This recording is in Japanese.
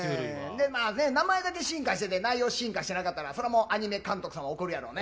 名前だけ進化してて、内容進化してなかったら、それはもうアニメ監督さんは怒るやろね。